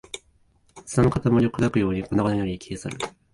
砂の塊を砕くように粉々になり、消え去る